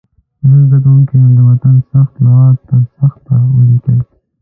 زده کوونکي دې د متن سخت لغات پر تخته ولیکي.